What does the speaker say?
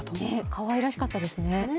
かわいらしかったですね。